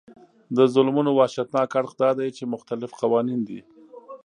د ظلمونو وحشتناک اړخ دا دی چې مختلف قوانین دي.